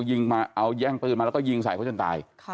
ยิงมาเอาแย่งปืนมาแล้วก็ยิงใส่เขาจนตาย